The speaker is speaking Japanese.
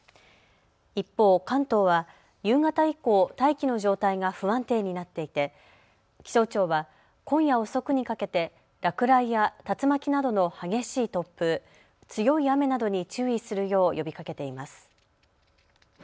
一方、関東は夕方以降、大気の状態が不安定になっていて気象庁は今夜遅くにかけて落雷や竜巻などの激しい突風、強い雨などに注意するよう呼びかけています。